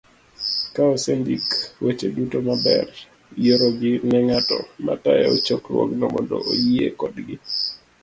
Ka osendik weche duto maber, iorogi ne ng'at matayo chokruogno mondo oyie kodgi